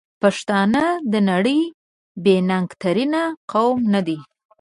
پښتانه د نړۍ بې ننګ ترین قوم ندی؟!